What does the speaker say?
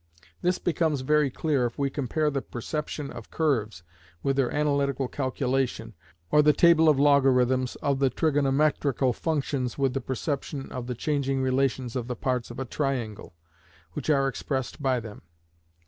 This becomes very clear if we compare the perception of curves with their analytical calculation, or the table of logarithms of the trigonometrical functions with the perception of the changing relations of the parts of a triangle, which are expressed by them.